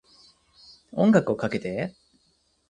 音楽をかけて